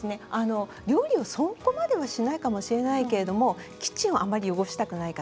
料理をそこまでしないかもしれないけどキッチンをあまり汚したくない方